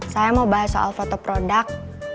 saya mau bahas soal foto produk